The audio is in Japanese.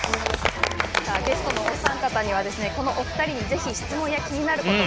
ゲストのお三方にはこのお二人にぜひ質問や気になること